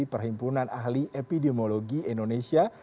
perhimpunan ahli epidemiologi indonesia